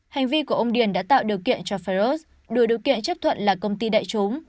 hành vi của ông điền đã tạo điều kiện cho ferros đủ điều kiện chấp thuận là công ty đại chúng